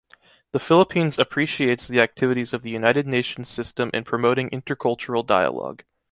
The Philippines appreciates the activities of the United Nations system in promoting intercultural dialogue.